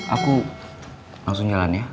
aku langsung jalan ya